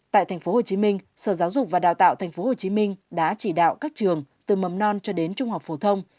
tại tp hcm sở giáo dục và đào tạo tp hcm đã chỉ đạo các trường từ mầm non cho đến trung học phổ thông